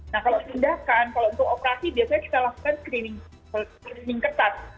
nah kalau tindakan kalau untuk operasi biasanya kita lakukan screening ketat